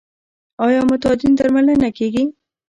آیا معتادین درملنه کیږي؟